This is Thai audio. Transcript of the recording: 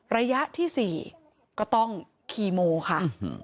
ระยะที่๔ก็ต้องคีโมค่ะ